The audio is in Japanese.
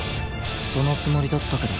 そのつもりだったけど。